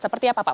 seperti apa pak